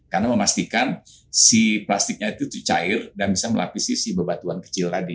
karena memastikan si plastiknya itu cair dan bisa melapisi si bebatuan kecil tadi